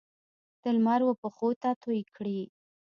د لمر وپښوته توی کړي